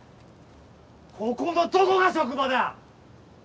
ここのどこが職場だ！